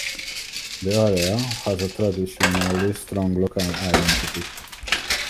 The area has a traditionally strong local identity.